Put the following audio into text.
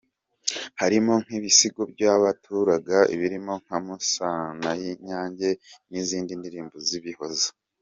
Harimo nk’ibisigo byamurataga birimo nka Musaninyange, n’izindi ndirimbo z’ibihozo.